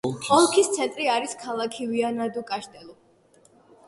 ოლქის ცენტრი არის ქალაქი ვიანა-დუ-კაშტელუ.